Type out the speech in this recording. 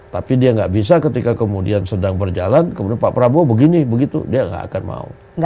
tapi dia nggak bisa ketika kemudian sedang berjalan kemudian pak prabowo begini begitu dia nggak akan mau